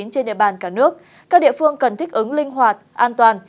trên địa bàn cả nước các địa phương cần thích ứng linh hoạt an toàn